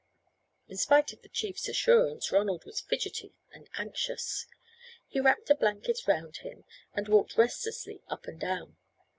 In spite of the chief's assurance, Ronald was fidgety and anxious. He wrapped a blanket round him, and walked restlessly up and down.